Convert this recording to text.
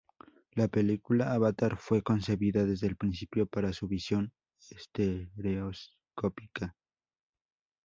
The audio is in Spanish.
La película Avatar fue concebida desde el principio para su visión estereoscópica.